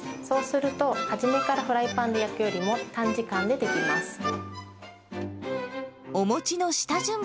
そうすると、初めからフライパンで焼くよりも短時間で出来ます。